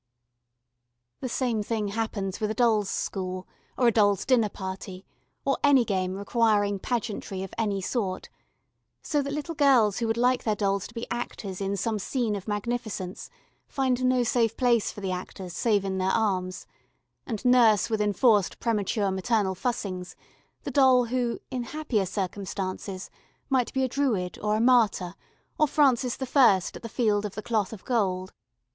The same thing happens with a dolls' school, or a dolls' dinner party, or any game requiring pageantry of any sort so that little girls who would like their dolls to be actors in some scene of magnificence find no safe place for the actors save in their arms and nurse with enforced premature maternal fussings the doll who, in happier circumstances, might be a Druid or a martyr, or Francis the First at the Field of the Cloth of Gold.